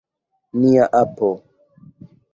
Nia apo!